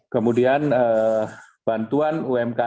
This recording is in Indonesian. kemudian bantuan umkm